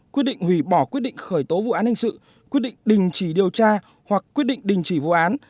quyết định hủy bỏ quyết định khởi tố vụ án hình sự quyết định đình chỉ điều tra hoặc quyết định đình chỉ vụ án